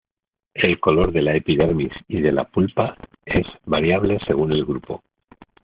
El color de la epidermis y de la pulpa es variable según el grupo.